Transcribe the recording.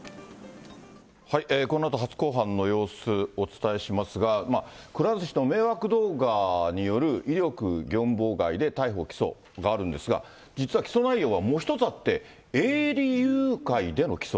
このあと、初公判の様子お伝えしますが、くら寿司の迷惑動画による威力業務妨害で逮捕・起訴があるんですが、実は起訴内容はもう１つあって、営利誘拐での起訴。